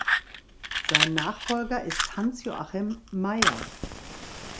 Sein Nachfolger ist Hans-Joachim Meyer.